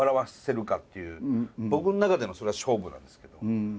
僕の中でのそれは勝負なんですけど。